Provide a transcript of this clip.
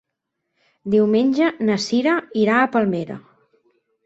Diumenge na Cira irà a Palmera.